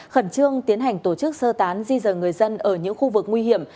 khẩn trương tiến hành tổ chức sơ tán di dời người dân ở những khu vực nguy hiểm